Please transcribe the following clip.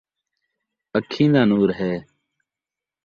اکھیں دا نور ہے